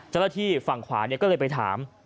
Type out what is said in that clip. จริงที่ฝั่งขวานี่ก็เลยไปถาม